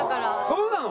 そうなの？